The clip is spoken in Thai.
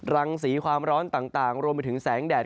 รังสีความร้อนต่างรวมไปถึงแสงแดด